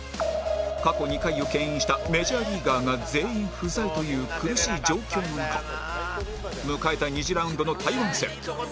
過去２回を牽引したメジャーリーガーが全員不在という苦しい状況の中迎えた２次ラウンドの台湾戦